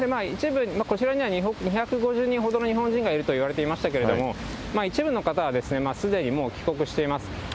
一部、こちらには２５０人ほどの日本人がいるといわれていましたけれども、一部の方は、すでにもう帰国しています。